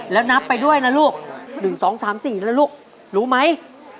แล้วนับไปด้วยนะลูก๑๒๓๔แล้วลูกรู้ไหม